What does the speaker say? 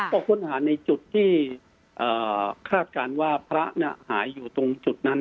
ก็ค้นหาในจุดที่คาดการณ์ว่าพระหายอยู่ตรงจุดนั้น